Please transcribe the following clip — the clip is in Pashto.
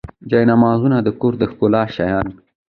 جانمازونه د کور د ښکلا شیان.